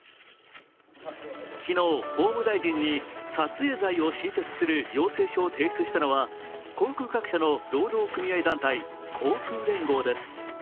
昨日、法務大臣に撮影罪を新設する申請する要請書を出したのは、航空各社の労働組合団体、航空連合です。